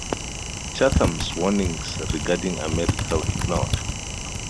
Chatham's warnings regarding America were ignored.